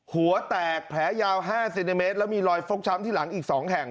หัวแตกแผลยาว๕เซนติเมตรแล้วมีรอยฟกช้ำที่หลังอีก๒แห่ง